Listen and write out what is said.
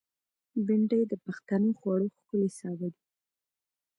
بېنډۍ د پښتنو خوړو ښکلی سابه دی